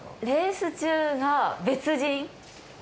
レース中が別人？